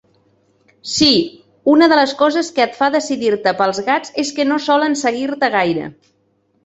Sí, una de les coses que et fa decidir-te pels gats és que no solen seguir-te gaire.